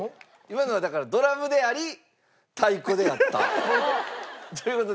今のはだからドラムであり太鼓であったという事で。